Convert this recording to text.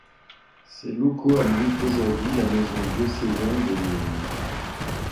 Ces locaux abritent aujourd'hui la maison diocésaine de Nîmes.